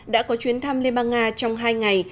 đã có chuyến thăm liên bang nga trong hai ngày